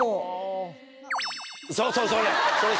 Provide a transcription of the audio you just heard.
そうそうそれ！